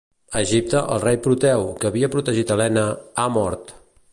A Egipte, el rei Proteu, que havia protegit Helena, ha mort.